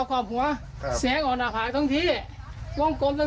ขอบหัวเขาก็ยืนว่าบรรลุแสงสบายไปแล้ว